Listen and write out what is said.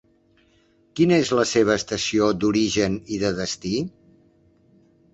Quina es la seva estació d'origen i de destí?